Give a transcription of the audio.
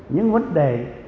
những vấn đề